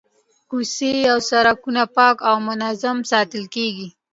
کوڅې او سړکونه پاک او منظم ساتل کیږي.